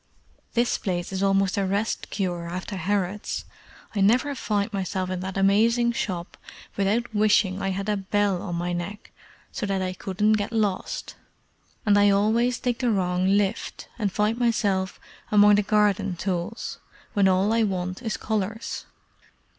"This place is almost a rest cure after Harrod's; I never find myself in that amazing shop without wishing I had a bell on my neck, so that I couldn't get lost. And I always take the wrong lift and find myself among garden tools when all I want is collars."